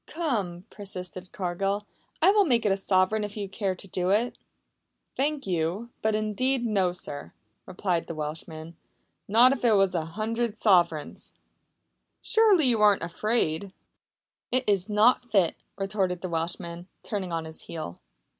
"Come," persisted Cargill, "I will make it a sovereign if you care to do it." "Thank you, but indeed, no, sir," replied the Welshman. "Not if it wass a hundred sofereigns!" "Surely you are not afraid?" "It iss not fit," retorted the Welshman, turning on his heel.